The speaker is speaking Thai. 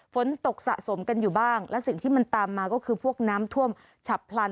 ฝนตกสะสมกันอยู่บ้างและสิ่งที่มันตามมาก็คือพวกน้ำท่วมฉับพลัน